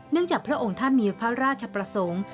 จากพระองค์ท่านมีพระราชประสงค์